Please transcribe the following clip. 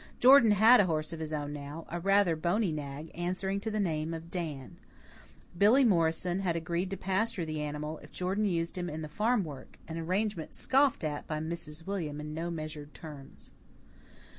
Jordan had a horse of his own now, a rather bony nag, answering to the name of Dan. Billy Morrison had agreed to pasture the animal if Jordan used him in the farm work, an arrangement scoffed at by Mrs. William in no measured terms.